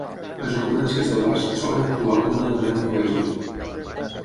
Les ocurrències del basc solen actuar com un element de cohesió.